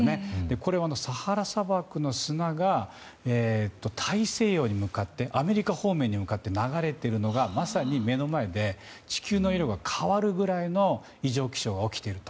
これがサハラ砂漠の砂が大西洋に向かってアメリカ方面に向かって流れているのがまさに目の前で地球の色が変わるぐらいの異常気象が起きていると。